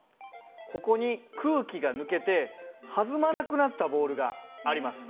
ここに空気が抜けて弾まなくなったボールがあります。